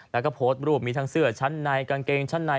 แล้วก็โพสต์รูปมีทั้งเสื้อชั้นในกางเกงชั้นใน